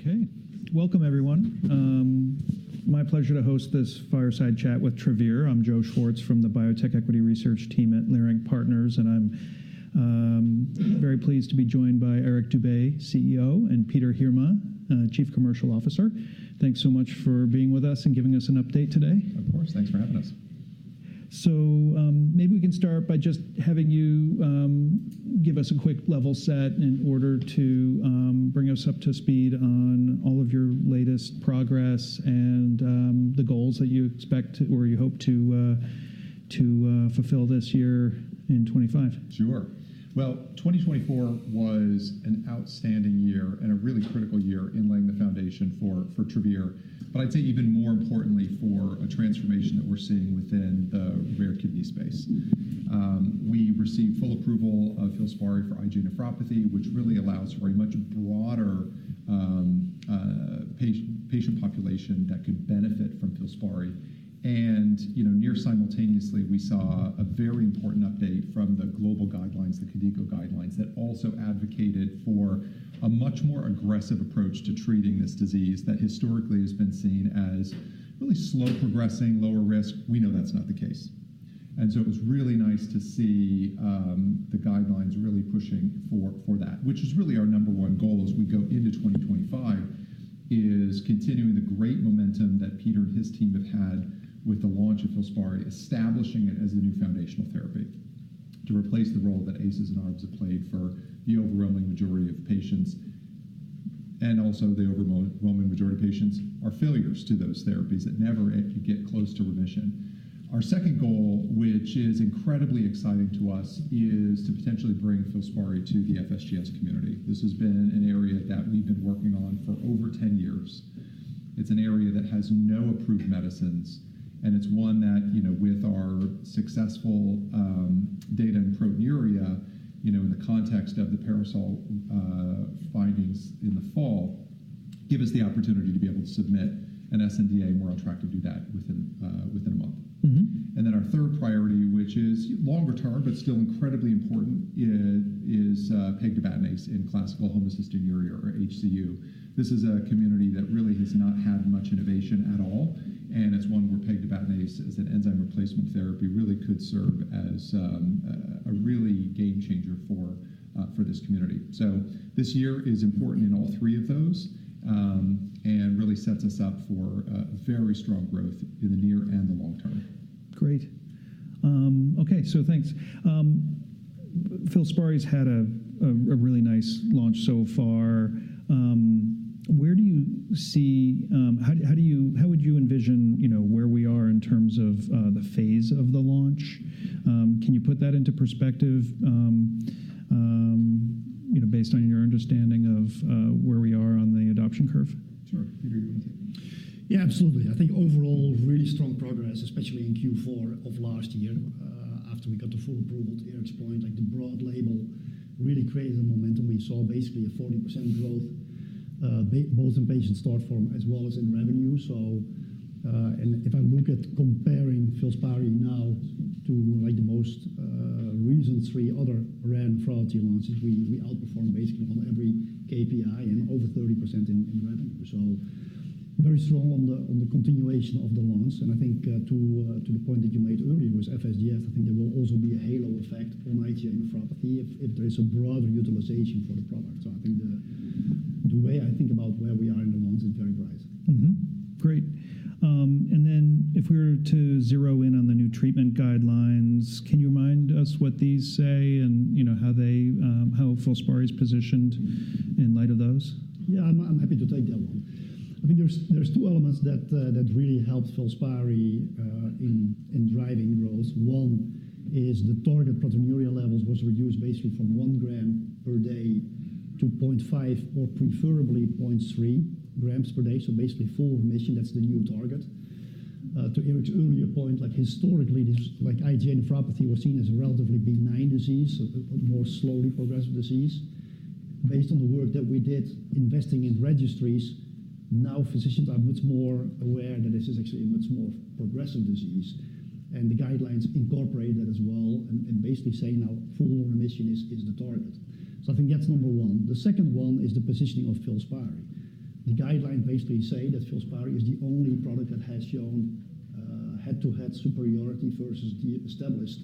Okay. Welcome, everyone. My pleasure to host this Fireside Chat with Travere Therapeutics. I'm Joe Schwartz from the Biotech Equity Research team at Leerink Partners, and I'm very pleased to be joined by Eric Dube, CEO, and Peter Heerma, Chief Commercial Officer. Thanks so much for being with us and giving us an update today. Of course. Thanks for having us. Maybe we can start by just having you give us a quick level set in order to bring us up to speed on all of your latest progress and the goals that you expect or you hope to fulfill this year in 2025. Sure. 2024 was an outstanding year and a really critical year in laying the foundation for Travere, but I'd say even more importantly for a transformation that we're seeing within the rare kidney space. We received full approval of FILSPARI for IgA nephropathy, which really allows for a much broader patient population that could benefit from FILSPARI. Near simultaneously, we saw a very important update from the global guidelines, the KDIGO Guidelines, that also advocated for a much more aggressive approach to treating this disease that historically has been seen as really slow-progressing, lower risk. We know that's not the case. It was really nice to see the guidelines really pushing for that, which is really our number one goal as we go into 2025, is continuing the great momentum that Peter and his team have had with the launch of FILSPARI, establishing it as the new foundational therapy to replace the role that ACEs and ARBs have played for the overwhelming majority of patients and also the overwhelming majority of patients are failures to those therapies that never get close to remission. Our second goal, which is incredibly exciting to us, is to potentially bring FILSPARI to the FSGS community. This has been an area that we've been working on for over 10 years. It's an area that has no approved medicines, and it's one that, with our successful data in proteinuria in the context of the PARASOL findings in the fall, gives us the opportunity to be able to submit an SNDA more on track to do that within a month. Our third priority, which is longer term but still incredibly important, is pegtibatinase in classical homocystinuria or HCU. This is a community that really has not had much innovation at all, and it's one where pegtibatinase as an enzyme replacement therapy really could serve as a really game changer for this community. This year is important in all three of those and really sets us up for very strong growth in the near and the long term. Great. Okay, so thanks. FILSPARI's had a really nice launch so far. Where do you see how would you envision where we are in terms of the phase of the launch? Can you put that into perspective based on your understanding of where we are on the adoption curve? Sure. Yeah, absolutely. I think overall, really strong progress, especially in Q4 of last year after we got the full approval to Eric's point. The broad label really created a momentum. We saw basically a 40% growth both in patient start form as well as in revenue. If I look at comparing FILSPARI now to the most recent three other rare and orphan launches, we outperformed basically on every KPI and over 30% in revenue. Very strong on the continuation of the launch. I think to the point that you made earlier with FSGS, I think there will also be a halo effect on IgA nephropathy if there is a broader utilization for the product. I think the way I think about where we are in the launch is very bright. Great. If we were to zero in on the new treatment guidelines, can you remind us what these say and how FILSPARI's positioned in light of those? Yeah, I'm happy to take that one. I think there's two elements that really helped FILSPARI in driving growth. One is the target proteinuria levels was reduced basically from 1 gram per day to 0.5 or preferably 0.3 grams per day. Basically full remission, that's the new target. To Eric's earlier point, historically, IgA nephropathy was seen as a relatively benign disease, a more slowly progressive disease. Based on the work that we did investing in registries, now physicians are much more aware that this is actually a much more progressive disease. The guidelines incorporate that as well and basically say now full remission is the target. I think that's number one. The second one is the positioning of FILSPARI. The guidelines basically say that FILSPARI is the only product that has shown head-to-head superiority versus the established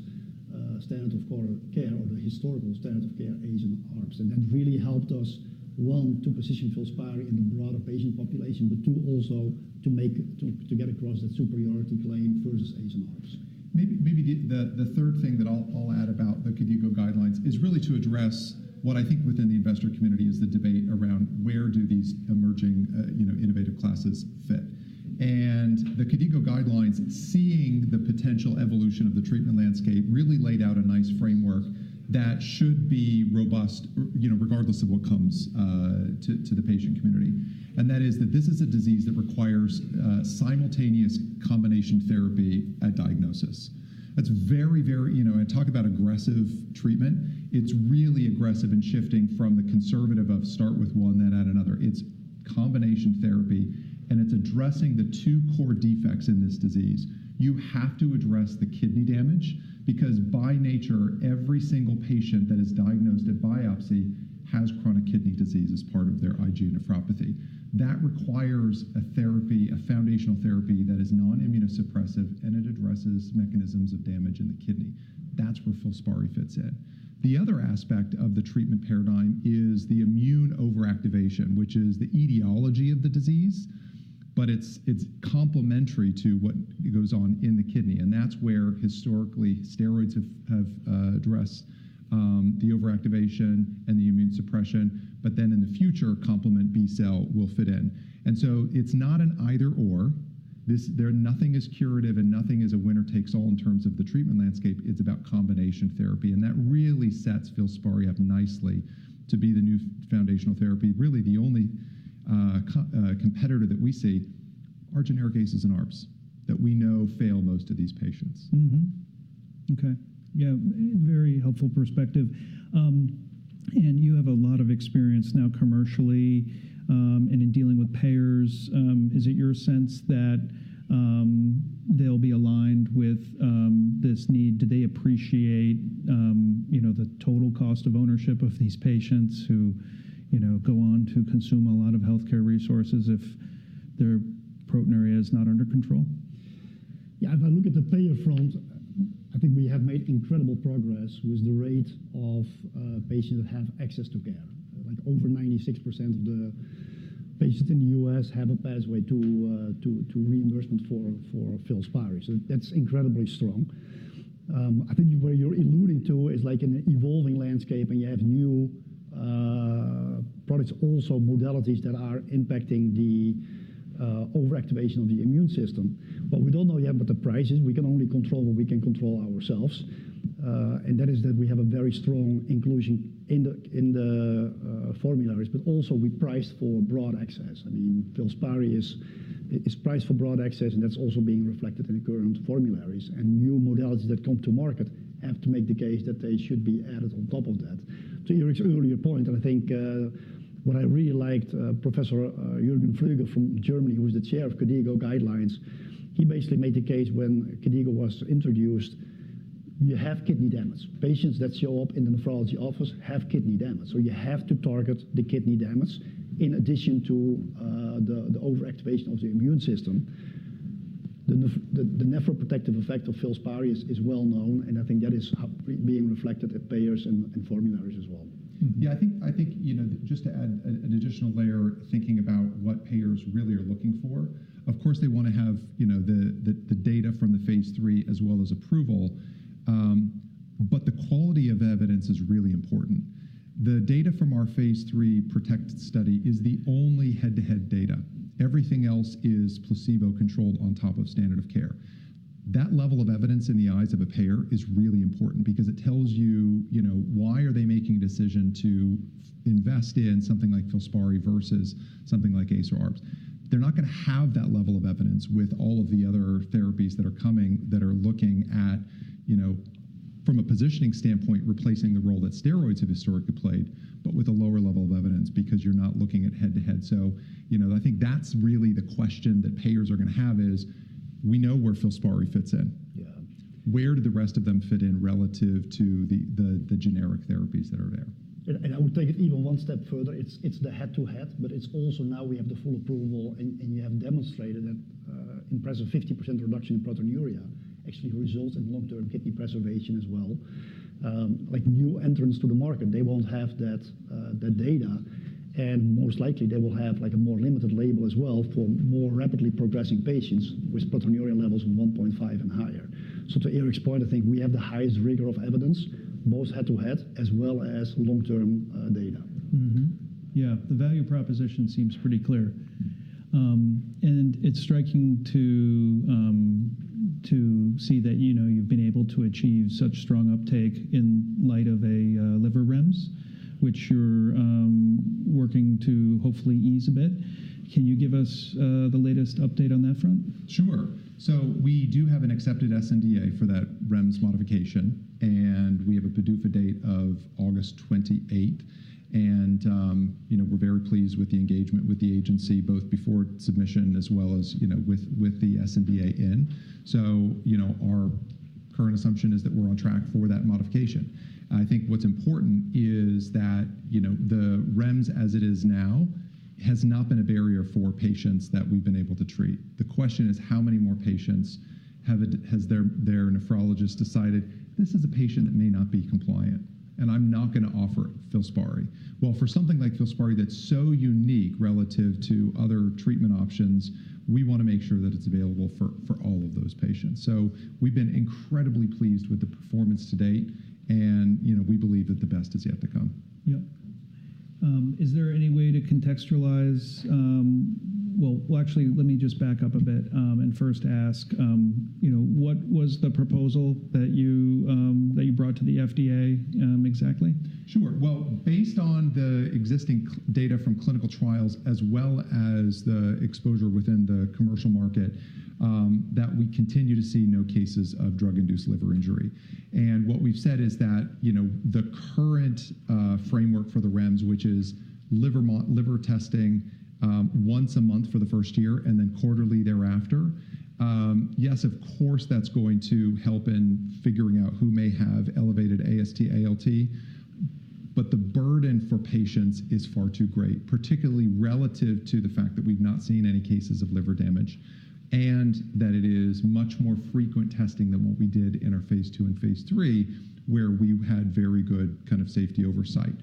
standard of care or the historical standard of care ACE and ARBs. That really helped us, one, to position FILSPARI in the broader patient population, but two, also to get across that superiority claim versus ACE and ARBs. Maybe the third thing that I'll add about the KDIGO Guidelines is really to address what I think within the investor community is the debate around where do these emerging innovative classes fit. The KDIGO Guidelines, seeing the potential evolution of the treatment landscape, really laid out a nice framework that should be robust regardless of what comes to the patient community. That is that this is a disease that requires simultaneous combination therapy at diagnosis. That's very, very, and talk about aggressive treatment. It's really aggressive and shifting from the conservative of start with one, then add another. It's combination therapy, and it's addressing the two core defects in this disease. You have to address the kidney damage because by nature, every single patient that is diagnosed at biopsy has chronic kidney disease as part of their IgA nephropathy. That requires a therapy, a foundational therapy that is non-immunosuppressive, and it addresses mechanisms of damage in the kidney. That's where FILSPARI fits in. The other aspect of the treatment paradigm is the immune overactivation, which is the etiology of the disease, but it's complementary to what goes on in the kidney. Historically, steroids have addressed the overactivation and the immune suppression, but in the future, complement B-Cell will fit in. It is not an either/or. Nothing is curative and nothing is a winner takes all in terms of the treatment landscape. It's about combination therapy. That really sets FILSPARI up nicely to be the new foundational therapy. Really the only competitor that we see are generic ACEs and ARBs that we know fail most of these patients. Okay. Yeah, very helpful perspective. You have a lot of experience now commercially and in dealing with payers. Is it your sense that they'll be aligned with this need? Do they appreciate the total cost of ownership of these patients who go on to consume a lot of healthcare resources if their proteinuria is not under control? Yeah, if I look at the payer front, I think we have made incredible progress with the rate of patients that have access to care. Over 96% of the patients in the U.S. have a pathway to reimbursement for FILSPARI. That's incredibly strong. I think where you're alluding to is like an evolving landscape and you have new products, also modalities that are impacting the overactivation of the immune system. We don't know yet what the price is. We can only control what we can control ourselves. That is that we have a very strong inclusion in the formularies, but also we priced for broad access. I mean, FILSPARI is priced for broad access, and that's also being reflected in the current formularies. New modalities that come to market have to make the case that they should be added on top of that. To Eric's earlier point, I think what I really liked, Professor Jürgen Floege from Germany, who is the chair of KDIGO Guidelines, he basically made the case when KDIGO was introduced, you have kidney damage. Patients that show up in the nephrology office have kidney damage. You have to target the kidney damage in addition to the overactivation of the immune system. The nephroprotective effect of FILSPARI is well known, and I think that is being reflected at payers and formularies as well. Yeah, I think just to add an additional layer thinking about what payers really are looking for. Of course, they want to have the data from the phase three as well as approval, but the quality of evidence is really important. The data from our phase three PROTECT Study is the only head-to-head data. Everything else is placebo-controlled on top of standard of care. That level of evidence in the eyes of a payer is really important because it tells you why are they making a decision to invest in something like FILSPARI versus something like ACE or ARBs. They're not going to have that level of evidence with all of the other therapies that are coming that are looking at, from a positioning standpoint, replacing the role that steroids have historically played, but with a lower level of evidence because you're not looking at head-to-head. I think that's really the question that payers are going to have is we know where FILSPARI fits in. Yeah, where do the rest of them fit in relative to the generic therapies that are there? I would take it even one step further. It's the head-to-head, but it's also now we have the full approval and you have demonstrated that impressive 50% reduction in proteinuria actually results in long-term kidney preservation as well. New entrants to the market, they won't have that data, and most likely they will have a more limited label as well for more rapidly progressing patients with proteinuria levels of 1.5 and higher. To Eric's point, I think we have the highest rigor of evidence, both head-to-head as well as long-term data. Yeah, the value proposition seems pretty clear. It is striking to see that you've been able to achieve such strong uptake in light of a liver REMS, which you're working to hopefully ease a bit. Can you give us the latest update on that front? Sure. We do have an accepted SNDA for that REMS modification, and we have a PDUFA date of August 28th. We are very pleased with the engagement with the agency, both before submission as well as with the SNDA in. Our current assumption is that we are on track for that modification. I think what is important is that the REMS as it is now has not been a barrier for patients that we have been able to treat. The question is how many more patients have their nephrologist decided, this is a patient that may not be compliant, and I am not going to offer FILSPARI. For something like FILSPARI that is so unique relative to other treatment options, we want to make sure that it is available for all of those patients. We have been incredibly pleased with the performance to date, and we believe that the best is yet to come. Yeah. Is there any way to contextualize? Actually, let me just back up a bit and first ask, what was the proposal that you brought to the FDA exactly? Sure. Based on the existing data from clinical trials as well as the exposure within the commercial market, we continue to see no cases of drug-induced liver injury. What we've said is that the current framework for the REMS, which is liver testing once a month for the first year and then quarterly thereafter, yes, of course, that's going to help in figuring out who may have elevated AST/ALT, but the burden for patients is far too great, particularly relative to the fact that we've not seen any cases of liver damage and that it is much more frequent testing than what we did in our phase two and phase three where we had very good kind of safety oversight.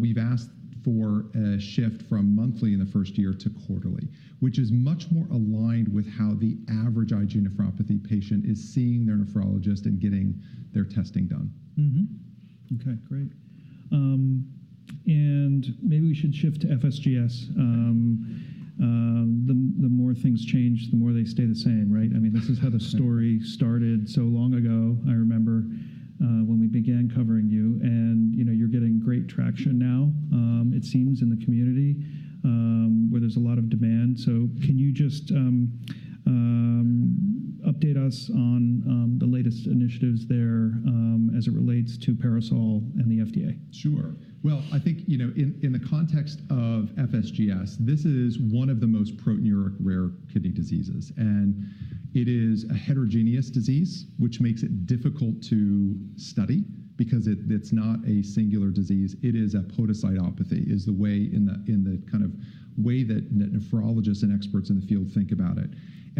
We have asked for a shift from monthly in the first year to quarterly, which is much more aligned with how the average IgA nephropathy patient is seeing their nephrologist and getting their testing done. Okay, great. Maybe we should shift to FSGS. The more things change, the more they stay the same, right? I mean, this is how the story started so long ago. I remember when we began covering you, and you're getting great traction now, it seems, in the community where there's a lot of demand. Can you just update us on the latest initiatives there as it relates to PARASOL and the FDA? Sure. I think in the context of FSGS, this is one of the most proteinuric rare kidney diseases. It is a heterogeneous disease, which makes it difficult to study because it's not a singular disease. It is a podocytopathy, is the way in the kind of way that nephrologists and experts in the field think about it.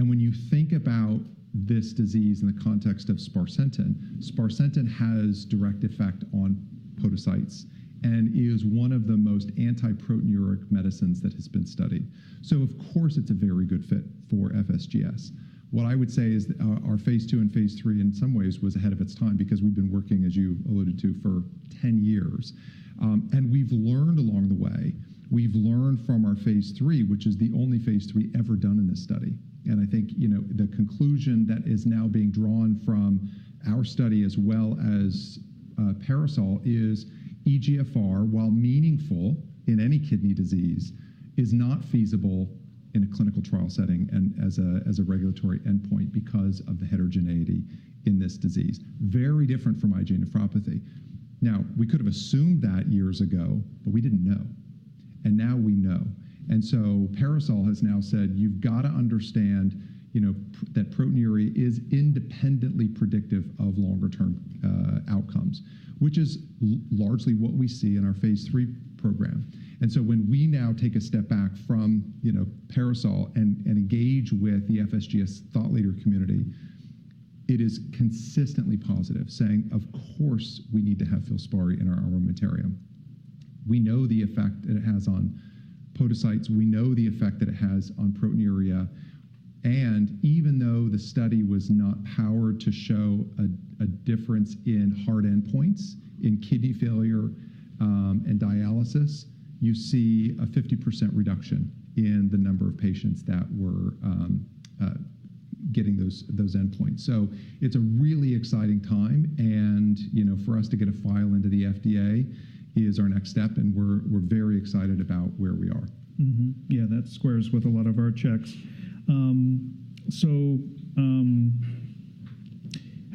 When you think about this disease in the context of sparsentan, sparsentan has a direct effect on podocytes and is one of the most antiproteinuric medicines that has been studied. Of course, it's a very good fit for FSGS. What I would say is our phase two and phase three in some ways was ahead of its time because we've been working, as you alluded to, for 10 years. We've learned along the way. We've learned from our phase three, which is the only phase three ever done in this study. I think the conclusion that is now being drawn from our study as well as PARASOL is eGFR, while meaningful in any kidney disease, is not feasible in a clinical trial setting and as a regulatory endpoint because of the heterogeneity in this disease. Very different from IgA nephropathy. We could have assumed that years ago, but we didn't know. Now we know. PARASOL has now said, you've got to understand that proteinuria is independently predictive of longer-term outcomes, which is largely what we see in our phase three program. When we now take a step back from PARASOL and engage with the FSGS thought leader community, it is consistently positive, saying, of course, we need to have FILSPARI in our armamentarium. We know the effect that it has on podocytes. We know the effect that it has on proteinuria. Even though the study was not powered to show a difference in hard endpoints in kidney failure and dialysis, you see a 50% reduction in the number of patients that were getting those endpoints. It is a really exciting time. For us to get a file into the FDA is our next step, and we are very excited about where we are. Yeah, that squares with a lot of our checks.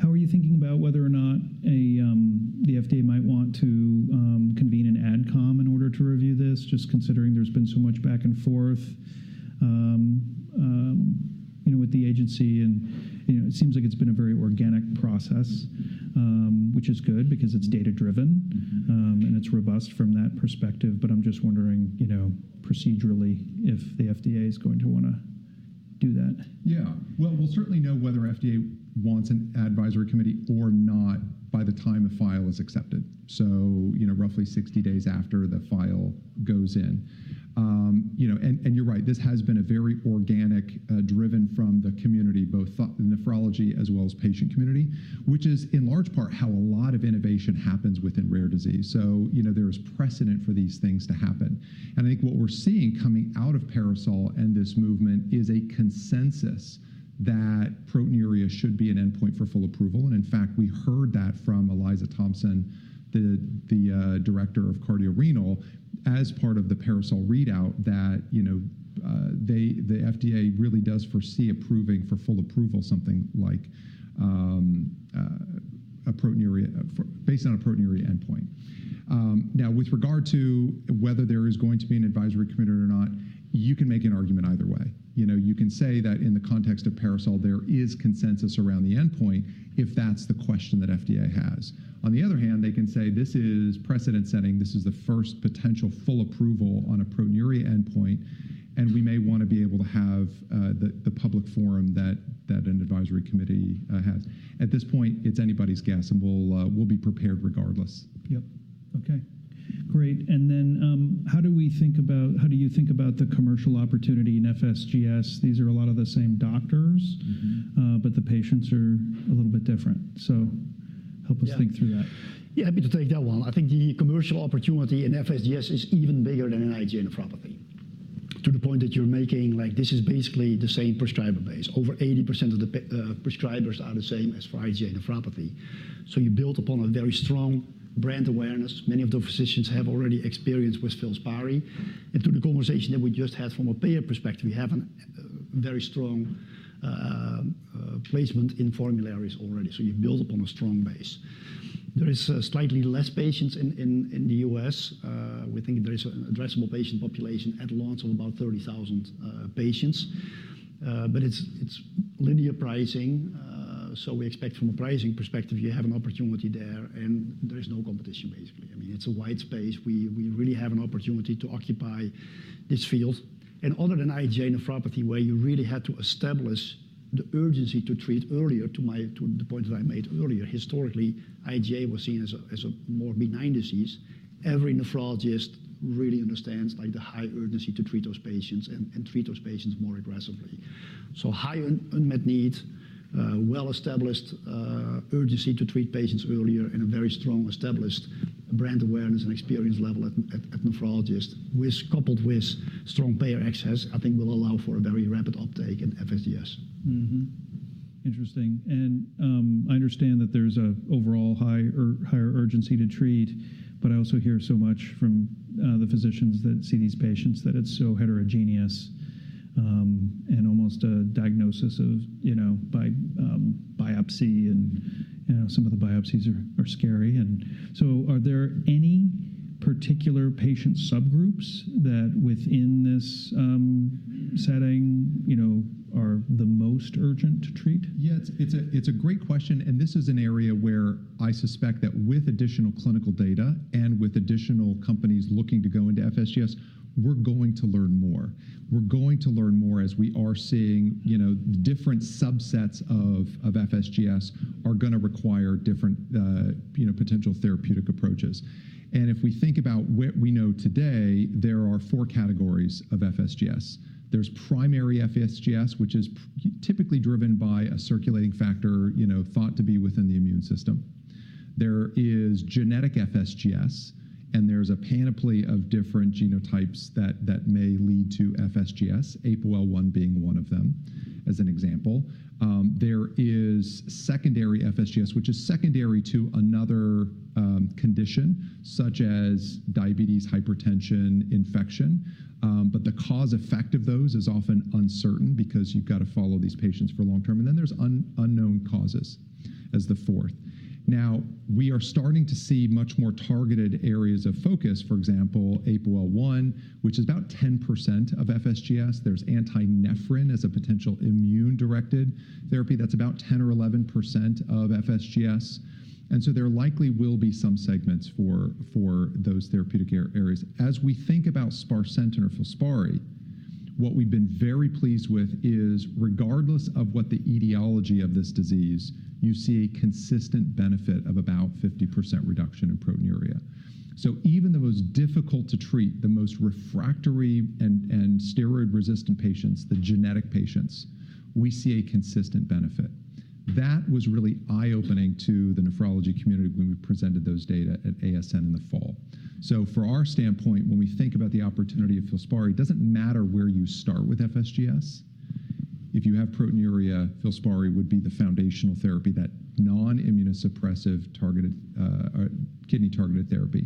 How are you thinking about whether or not the FDA might want to convene an adcom in order to review this, just considering there's been so much back and forth with the agency? It seems like it's been a very organic process, which is good because it's data-driven and it's robust from that perspective. I'm just wondering procedurally if the FDA is going to want to do that. Yeah. We'll certainly know whether FDA wants an advisory committee or not by the time the file is accepted. So roughly 60 days after the file goes in. You're right, this has been a very organic driven from the community, both nephrology as well as patient community, which is in large part how a lot of innovation happens within rare disease. There is precedent for these things to happen. I think what we're seeing coming out of PARASOL and this movement is a consensus that proteinuria should be an endpoint for full approval. In fact, we heard that from Eliza Thompson, the Director of Cardiorenal, as part of the PARASOL readout that the FDA really does foresee approving for full approval, something like a proteinuria based on a proteinuria endpoint. Now, with regard to whether there is going to be an advisory committee or not, you can make an argument either way. You can say that in the context of PARASOL, there is consensus around the endpoint if that's the question that FDA has. On the other hand, they can say, this is precedent setting. This is the first potential full approval on a proteinuria endpoint, and we may want to be able to have the public forum that an advisory committee has. At this point, it's anybody's guess, and we'll be prepared regardless. Yep. Okay. Great. How do we think about, how do you think about the commercial opportunity in FSGS? These are a lot of the same doctors, but the patients are a little bit different. Help us think through that. Yeah, I'm happy to take that one. I think the commercial opportunity in FSGS is even bigger than in IgA nephropathy to the point that you're making, like this is basically the same prescriber base. Over 80% of the prescribers are the same as for IgA nephropathy. You build upon a very strong brand awareness. Many of the physicians have already experience with FILSPARI. Through the conversation that we just had from a payer perspective, we have a very strong placement in formularies already. You build upon a strong base. There are slightly fewer patients in the U.S. We think there is an addressable patient population at launch of about 30,000 patients, but it's linear pricing. We expect from a pricing perspective, you have an opportunity there, and there is no competition basically. I mean, it's a wide space. We really have an opportunity to occupy this field. Other than IgA nephropathy, where you really had to establish the urgency to treat earlier to the point that I made earlier, historically, IgA was seen as a more benign disease. Every nephrologist really understands the high urgency to treat those patients and treat those patients more aggressively. High unmet needs, well-established urgency to treat patients earlier and a very strong established brand awareness and experience level at nephrologists, coupled with strong payer access, I think will allow for a very rapid uptake in FSGS. Interesting. I understand that there's an overall higher urgency to treat, but I also hear so much from the physicians that see these patients that it's so heterogeneous and almost a diagnosis of by biopsy, and some of the biopsies are scary. Are there any particular patient subgroups that within this setting are the most urgent to treat? Yeah, it's a great question. This is an area where I suspect that with additional clinical data and with additional companies looking to go into FSGS, we're going to learn more. We're going to learn more as we are seeing different subsets of FSGS are going to require different potential therapeutic approaches. If we think about what we know today, there are four categories of FSGS. There's primary FSGS, which is typically driven by a circulating factor thought to be within the immune system. There is genetic FSGS, and there's a panoply of different genotypes that may lead to FSGS, APOL1 being one of them as an example. There is secondary FSGS, which is secondary to another condition such as diabetes, hypertension, infection. The cause-effect of those is often uncertain because you've got to follow these patients for a long term. There is unknown causes as the fourth. We are starting to see much more targeted areas of focus. For example, APOL1, which is about 10% of FSGS. There is anti-nephrin as a potential immune-directed therapy. That is about 10%-11% of FSGS. There likely will be some segments for those therapeutic areas. As we think about sparsentan or FILSPARI, what we have been very pleased with is regardless of what the etiology of this disease, you see a consistent benefit of about 50% reduction in proteinuria. Even the most difficult to treat, the most refractory and steroid-resistant patients, the genetic patients, we see a consistent benefit. That was really eye-opening to the nephrology community when we presented those data at ASN in the fall. From our standpoint, when we think about the opportunity of FILSPARI, it does not matter where you start with FSGS. If you have proteinuria, FILSPARI would be the foundational therapy, that non-immunosuppressive kidney-targeted therapy.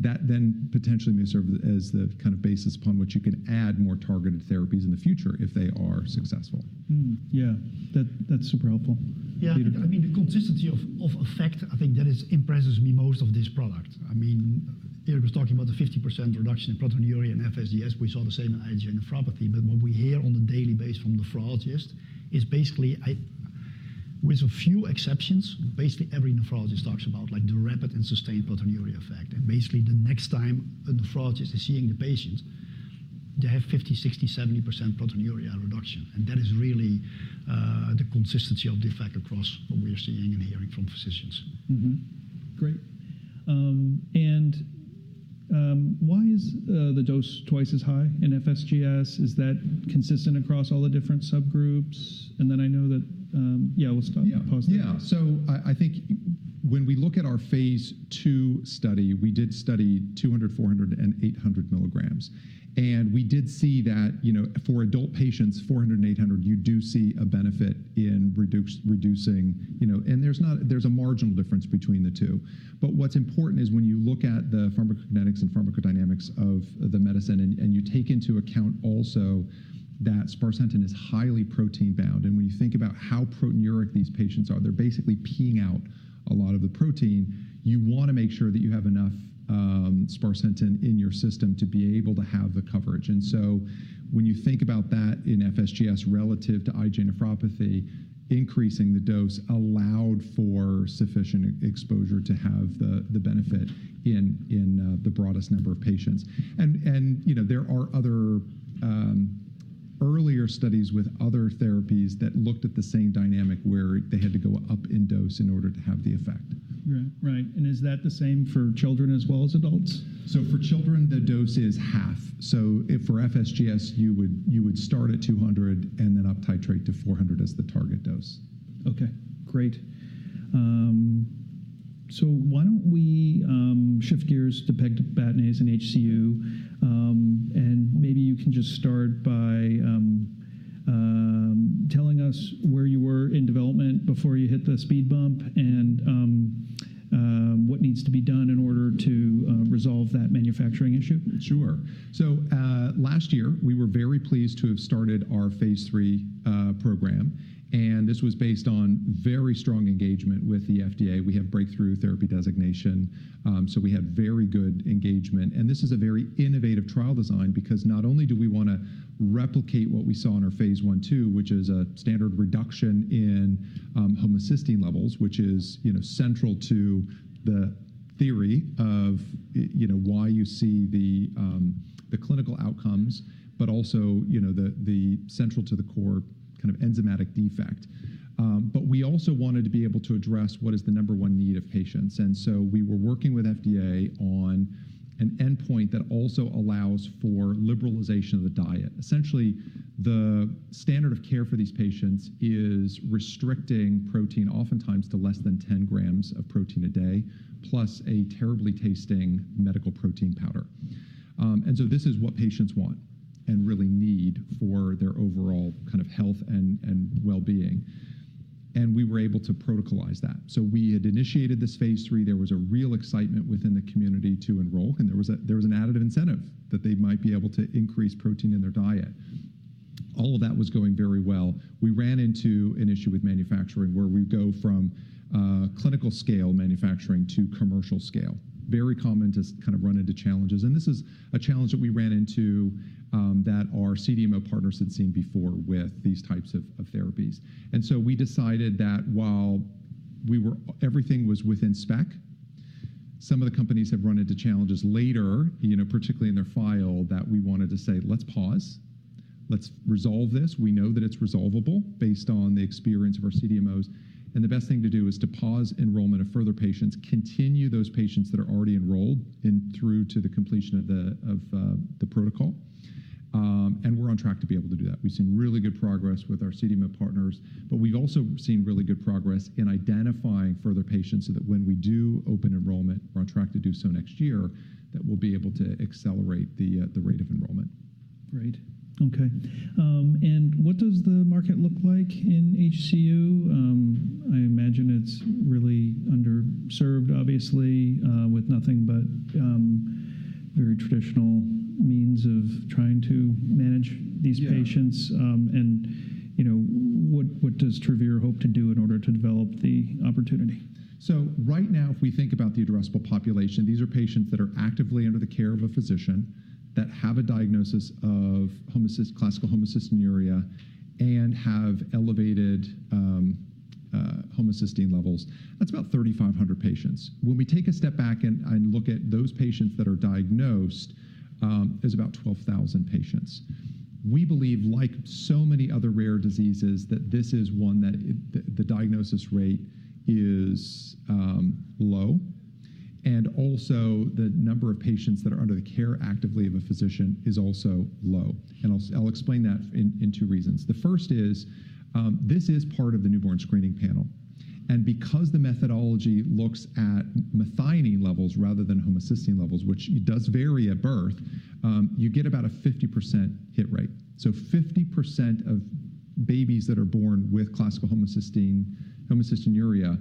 That then potentially may serve as the kind of basis upon which you can add more targeted therapies in the future if they are successful. Yeah, that's super helpful. Yeah. I mean, the consistency of effect, I think that impresses me most of this product. I mean, Eric was talking about the 50% reduction in proteinuria in FSGS. We saw the same in IgA nephropathy. What we hear on a daily basis from nephrologists is basically, with a few exceptions, basically every nephrologist talks about the rapid and sustained proteinuria effect. Basically, the next time a nephrologist is seeing the patient, they have 50%, 60%, 70% proteinuria reduction. That is really the consistency of the effect across what we're seeing and hearing from physicians. Great. Why is the dose twice as high in FSGS? Is that consistent across all the different subgroups? I know that, yeah, we'll pause there. Yeah. I think when we look at our phase two study, we did study 200 mg, 400 mg, and 800 mg. We did see that for adult patients, 400 mg and 800 mg, you do see a benefit in reducing. There is a marginal difference between the two. What's important is when you look at the pharmacokinetics and pharmacodynamics of the medicine and you take into account also that sparsentan is highly protein-bound. When you think about how proteinuric these patients are, they're basically peeing out a lot of the protein. You want to make sure that you have enough sparsentan in your system to be able to have the coverage. When you think about that in FSGS relative to IgA nephropathy, increasing the dose allowed for sufficient exposure to have the benefit in the broadest number of patients. There are other earlier studies with other therapies that looked at the same dynamic where they had to go up in dose in order to have the effect. Right. Is that the same for children as well as adults? For children, the dose is half. For FSGS, you would start at 200 mg and then up titrate to 400 mg as the target dose. Okay. Great. Why don't we shift gears to pegtibatinase and HCU? Maybe you can just start by telling us where you were in development before you hit the speed bump and what needs to be done in order to resolve that manufacturing issue. Sure. Last year, we were very pleased to have started our phase three program. This was based on very strong engagement with the FDA. We have breakthrough therapy designation, so we had very good engagement. This is a very innovative trial design because not only do we want to replicate what we saw in our phase one two, which is a standard reduction in homocysteine levels, which is central to the theory of why you see the clinical outcomes, but also central to the core kind of enzymatic defect. We also wanted to be able to address what is the number one need of patients. We were working with FDA on an endpoint that also allows for liberalization of the diet. Essentially, the standard of care for these patients is restricting protein oftentimes to less than 10 grams of protein a day, plus a terribly tasting medical protein powder. This is what patients want and really need for their overall kind of health and well-being. We were able to protocolize that. We had initiated this phase three. There was a real excitement within the community to enroll. There was an additive incentive that they might be able to increase protein in their diet. All of that was going very well. We ran into an issue with manufacturing where we go from clinical scale manufacturing to commercial scale. Very common to kind of run into challenges. This is a challenge that we ran into that our CDMO partners had seen before with these types of therapies. We decided that while everything was within spec, some of the companies have run into challenges later, particularly in their file, that we wanted to say, let's pause. Let's resolve this. We know that it's resolvable based on the experience of our CDMOs. The best thing to do is to pause enrollment of further patients, continue those patients that are already enrolled through to the completion of the protocol. We're on track to be able to do that. We've seen really good progress with our CDMO partners, but we've also seen really good progress in identifying further patients so that when we do open enrollment, we're on track to do so next year, that we'll be able to accelerate the rate of enrollment. Great. Okay. What does the market look like in HCU? I imagine it's really underserved, obviously, with nothing but very traditional means of trying to manage these patients. What does Travere hope to do in order to develop the opportunity? Right now, if we think about the addressable population, these are patients that are actively under the care of a physician that have a diagnosis of classical homocystinuria and have elevated homocysteine levels. That's about 3,500 patients. When we take a step back and look at those patients that are diagnosed, there's about 12,000 patients. We believe, like so many other rare diseases, that this is one where the diagnosis rate is low. Also, the number of patients that are under the care actively of a physician is also low. I'll explain that in two reasons. The first is this is part of the newborn screening panel. Because the methodology looks at methionine levels rather than homocysteine levels, which does vary at birth, you get about a 50% hit rate. Fifty percent of babies that are born with classical homocystinuria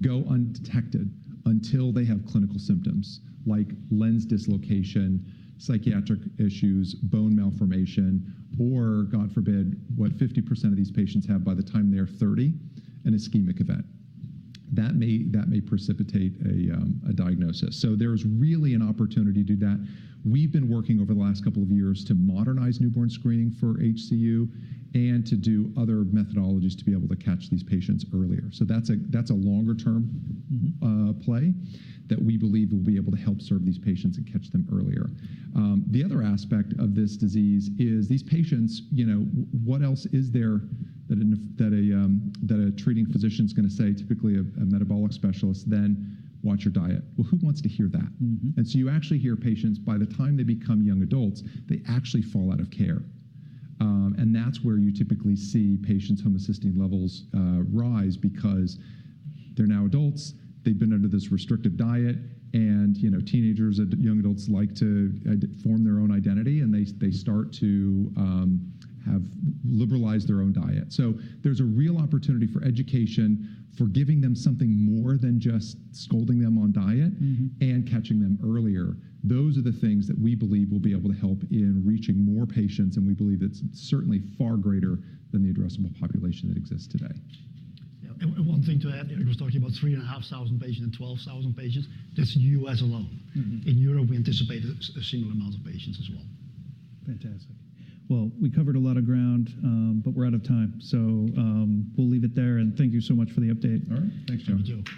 go undetected until they have clinical symptoms like lens dislocation, psychiatric issues, bone malformation, or God forbid, what, 50% of these patients have by the time they're 30, an ischemic event. That may precipitate a diagnosis. There is really an opportunity to do that. We've been working over the last couple of years to modernize newborn screening for HCU and to do other methodologies to be able to catch these patients earlier. That's a longer-term play that we believe will be able to help serve these patients and catch them earlier. The other aspect of this disease is these patients, what else is there that a treating physician is going to say, typically a metabolic specialist, then watch your diet? Who wants to hear that? You actually hear patients, by the time they become young adults, they actually fall out of care. That is where you typically see patients' homocysteine levels rise because they are now adults. They have been under this restrictive diet. Teenagers and young adults like to form their own identity, and they start to have liberalized their own diet. There is a real opportunity for education, for giving them something more than just scolding them on diet and catching them earlier. Those are the things that we believe will be able to help in reaching more patients. We believe it is certainly far greater than the addressable population that exists today. One thing to add, Eric was talking about 3,500 patients and 12,000 patients. That's in the U.S. alone. In Europe, we anticipate a similar amount of patients as well. Fantastic. We covered a lot of ground, but we're out of time. We'll leave it there. Thank you so much for the update. All right. Thanks, Joe. Enjoy.